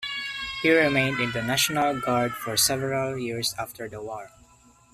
He remained in the National Guard for several years after the war.